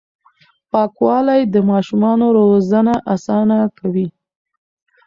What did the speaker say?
پاکوالي د ماشومانو روزنه اسانه کوي.